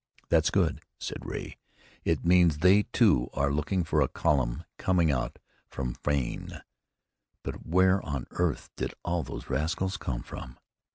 "That's good," said Ray. "It means they, too, are looking for a column coming out from Frayne. But where on earth did all these rascals come from?